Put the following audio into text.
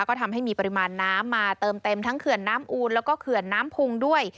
ก็ทำให้มีปริมาณน้ำมาเติมเต็มทั้งเขื่อนน้ำอูนแล้วก็เขื่อนน้ำพุงด้วย